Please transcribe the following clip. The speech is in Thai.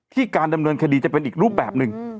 การดำเนินคดีจะเป็นอีกรูปแบบหนึ่ง